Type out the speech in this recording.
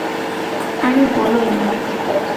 আরে, বলোই না।